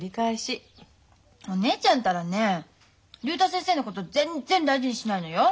お姉ちゃんったらね竜太先生のこと全然大事にしないのよ。